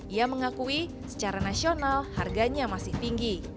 ia mengakui secara nasional harganya masih tinggi